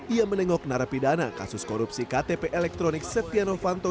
ia menengok narapidana kasus korupsi ktp elektronik setia novanto